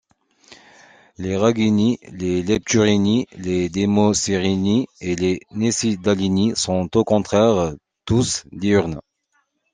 Les Rhagiini, les Lepturini, les Desmocerini et les Necydalini sont au contraire tous diurnes.